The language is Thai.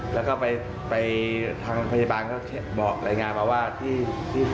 แล้วก็ไปทางพยาบาลบอกรายงานมาว่าถึงสนนะ